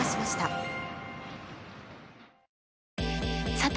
さて！